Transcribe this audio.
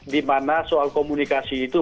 dimana soal komunikasi itu